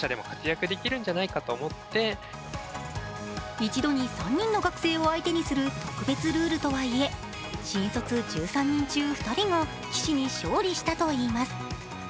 一度に３人の学生を相手にする特別ルールとはいえ、新卒１３人中、２人が棋士に勝利したといいます。